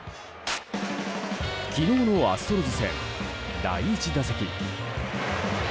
昨日のアストロズ戦第１打席。